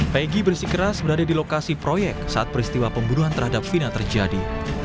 pegi bersikeras berada di lokasi proyek saat peristiwa pembunuhan terhadap vina terjadi